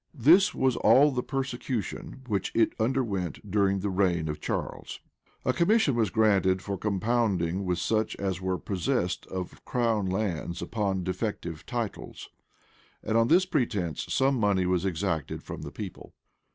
This was all the persecution which it underwent during the reign of Charles.[v] A commission was granted for compounding with such as were possessed of crown lands upon defective titles; and on this pretence some money was exacted from the people.